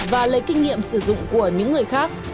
và lấy kinh nghiệm sử dụng của những người khác